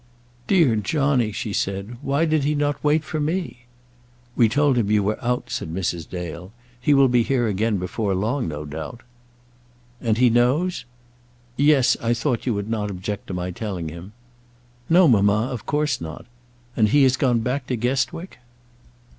"Dear Johnny!" she said. "Why did he not wait for me?" "We told him you were out," said Mrs. Dale. "He will be here again before long, no doubt." "And he knows ?" "Yes; I thought you would not object to my telling him." "No, mamma; of course not. And he has gone back to Guestwick?"